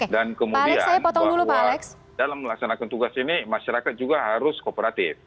dan kemudian bahwa dalam melaksanakan tugas ini masyarakat juga harus kooperatif